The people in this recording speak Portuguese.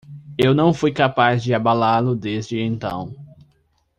Eu não fui capaz de abalá-lo desde então.